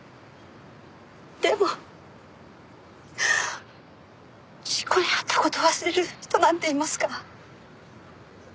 でも事故に遭った事を忘れる人なんていますか？